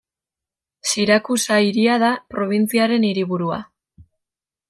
Sirakusa hiria da probintziaren hiriburua.